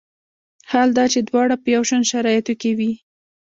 حال دا چې دواړه په یو شان شرایطو کې وي.